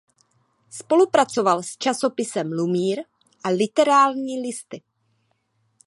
Spolupracoval s časopisem "Lumír" a "Literárními listy".